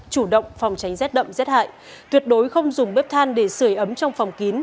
chủ động phòng tránh rét đậm rét hại tuyệt đối không dùng bếp than để sửa ấm trong phòng kín